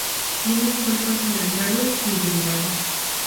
Tienen cuerpos alargados y delgados.